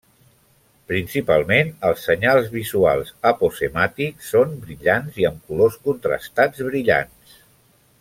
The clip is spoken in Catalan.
Principalment els senyals visuals aposemàtics són brillants i amb colors contrastats brillants.